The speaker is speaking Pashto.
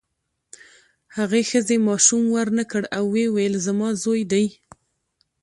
هغې ښځې ماشوم ورنکړ او ویې ویل زما زوی دی.